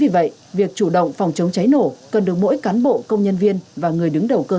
vì vậy việc chủ động phòng chống cháy nổ cần được mỗi cán bộ công nhân viên và người đứng đầu cơ